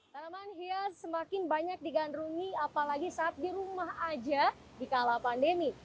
tanaman hias semakin banyak digandrungi apalagi saat di rumah aja di kala pandemi